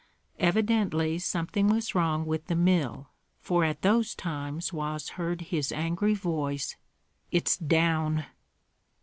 Evidently something was wrong with the mill, for at those times was heard his angry voice: "It's down!"